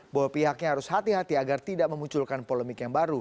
bahwa pihaknya harus hati hati agar tidak memunculkan polemik yang baru